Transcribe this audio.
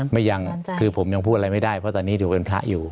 ไม่ยังคือผมยังพูดอะไรไม่ได้เพราะตอนนี้ถือเป็นพระอยู่